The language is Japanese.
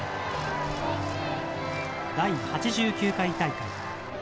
第８９回大会。